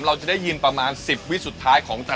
เราจะได้ยินประมาณ๑๐วิสุดท้ายของไทย